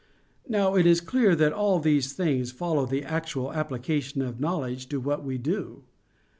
Now, it is clear that all these things follow the actual application of knowledge to what we do.